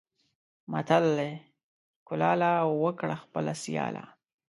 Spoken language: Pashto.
متل دی: کلاله! وکړه خپله سیاله.